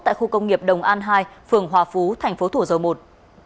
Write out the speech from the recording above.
tại khu công nghiệp đồng an hai phường hòa phú tp thủ dầu một